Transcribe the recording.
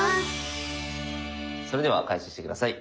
それでは開始して下さい。